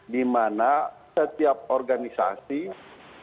dimana setiap organisasi harus dulu sesuai dengan kepencangan